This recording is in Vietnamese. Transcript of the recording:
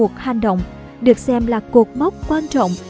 cột mốc quan trọng được xem là cột mốc quan trọng